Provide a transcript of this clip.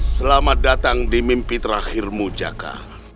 selamat datang di mimpi terakhirmu jaka